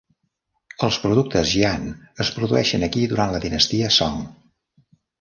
Els productes Jian es produïen aquí durant la dinastia Song.